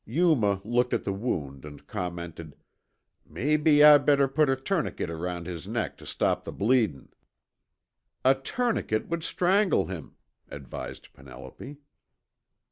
Yuma looked at the wound and commented, "Maybe I better put a tourniquet around his neck tuh stop the bleedin'." "A tourniquet would strangle him," advised Penelope.